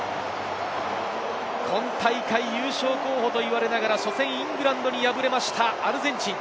今大会、優勝候補と言われながら、初戦イングランドに敗れましたアルゼンチン。